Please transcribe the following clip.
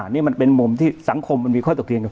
นี่มันเป็นมุมที่สังคมมันมีข้อตกเถียงกับ